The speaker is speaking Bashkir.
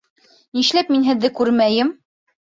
Нишләп мин һеҙҙе күрмәйем?